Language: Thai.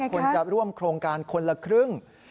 สำหรับคนจะร่วมโครงการคนละครึ่ง